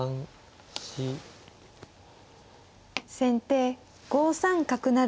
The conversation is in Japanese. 先手５三角成。